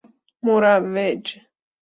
مروج